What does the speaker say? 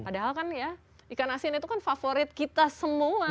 padahal kan ya ikan asin itu kan favorit kita semua